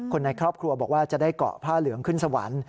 คนในครอบครัวบอกว่าจะได้เกาะผ้าเหลืองขึ้นสวรรค์